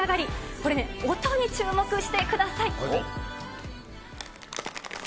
これ、音に注目してください。